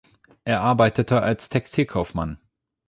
Er arbeitete als Textilkaufmann.